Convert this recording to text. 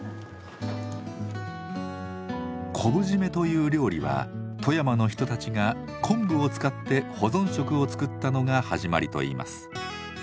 「昆布締め」という料理は富山の人たちが昆布を使って保存食を作ったのが始まりといいます。